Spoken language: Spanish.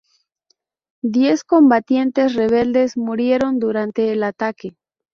Diez combatientes rebeldes murieron durante el ataque.